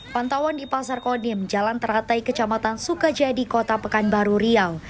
pantauan di pasar kodim jalan teratai kecamatan sukajadi kota pekanbaru riau